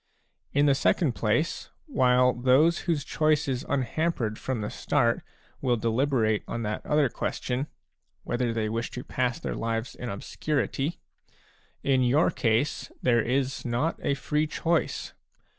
In the second place, while those whose choice is unhampered from the start will deliberate on that other question, whether they wish to pass their lives in obscurity, in your case there is not a free choice.